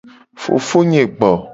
Fofonye gbo.